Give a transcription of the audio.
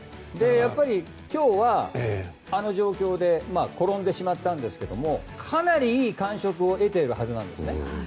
やっぱり今日はあの状況で転んでしまったんですがかなりいい感触を得ているはずなんですね。